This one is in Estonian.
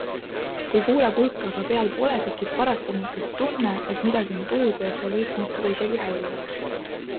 Kui huulepulka aga peal pole, tekib paratamatult tunne, et midagi on puudu ja see võib muutuda isegi häirivaks.